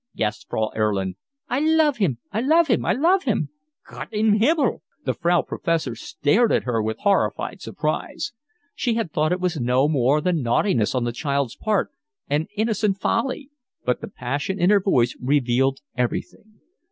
gasped Frau Erlin. "I love him. I love him. I love him." "Gott im Himmel!" The Frau Professor stared at her with horrified surprise; she had thought it was no more than naughtiness on the child's part, and innocent, folly. but the passion in her voice revealed everything.